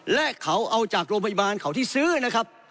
และเขาเอาจากโรงพยาบาลเขาที่ซื้อนะครับ